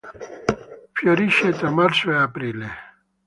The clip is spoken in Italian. Fiorisce tra marzo e aprile.